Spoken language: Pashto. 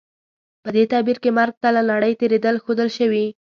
په دې تعبیر کې مرګ ته له نړۍ تېرېدل ښودل شوي.